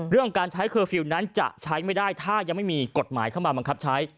เรื่องการใช้เคอร์ฟิลล์นั้นจะใช้ไม่ได้ถ้ายังไม่มีกฎหมายเข้ามาบังคับใช้